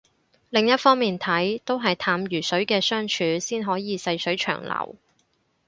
另一方面睇都係淡如水嘅相處先可以細水長流